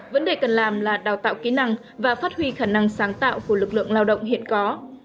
vấn đề cần làm là đào tạo kỹ năng và phát huy khả năng sáng tạo của lực lượng lao động hiện có